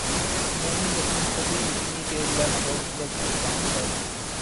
نویں دسویں صدی عیسوی کے لگ بھگ بلتستان پر